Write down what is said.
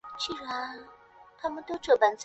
我叫帮手来